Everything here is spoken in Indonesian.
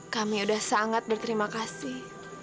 kami sudah sangat berterima kasih